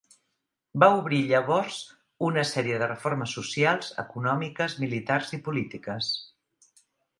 Va obrir llavors una sèrie de reformes socials, econòmiques, militars i polítiques.